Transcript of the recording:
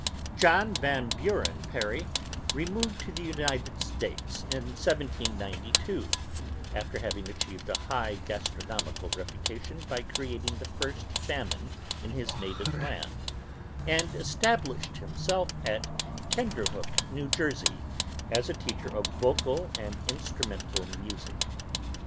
John Van Buren Perry removed to the United States in 1792 after having achieved a high gastronomical reputation by creating the first famine in his native land and established himself at Kinderhook, New Jersey, as a teacher of vocal and instrumental music.